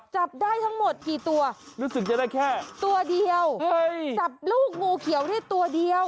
จับได้ทั้งหมดกี่ตัวตัวเดียวจับลูกงูเขียวได้ตัวเดียว